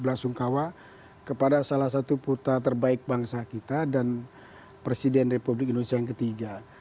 bela sungkawa kepada salah satu putra terbaik bangsa kita dan presiden republik indonesia yang ketiga